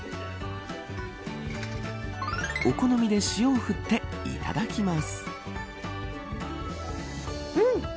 お好みで塩を振っていただきます。